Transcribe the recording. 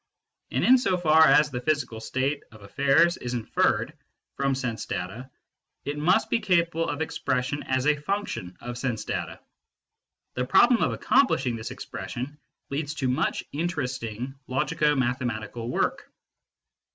And in so far as the physical state of affairs is inferred from sense data, it must be capable of expression as a function of sense data. The problem of accomplishing this expres sion leads to much interesting logico mathematical work.